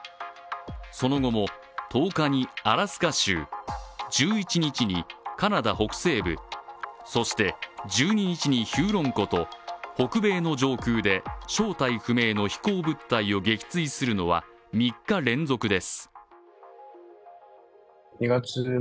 その後も１０日にアラスカ州、１１日にカナダ北西部、そして１２日にヒューロン湖と北米の上空で正体不明の飛行物体を撃墜するのは３日連続です。